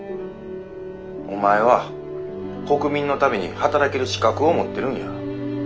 お前は国民のために働ける資格を持ってるんや。